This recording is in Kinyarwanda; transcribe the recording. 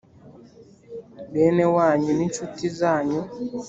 bene wanyu n incuti zanyu